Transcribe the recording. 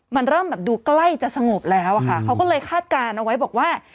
มันเริ่มแบบดูใกล้จะสงบแล้วอะค่ะเขาก็เลยคาดการณ์เอาไว้บอกว่า